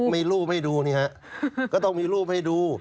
มีรูปให้ดูนี่ฮะก็ต้องมีรูปให้ดู